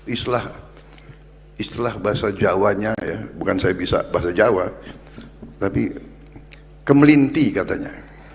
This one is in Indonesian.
islah istilah bahasa jawanya ya bukan saya bisa bahasa jawa tapi kemelinti katanya